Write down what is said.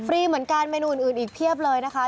รีเหมือนกันเมนูอื่นอีกเพียบเลยนะคะ